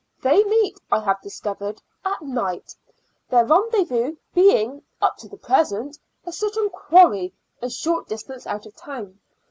They meet, I have discovered, at night; their rendezvous being, up to the present, a certain quarry a short distance out of town.